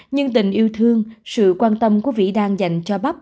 nhưng tình yêu thương sự quan tâm của vị đang dành cho bắp